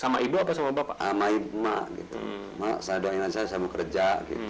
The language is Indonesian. sama ibu apa sama bapak sama ibu saya doain anak saya saya mau kerja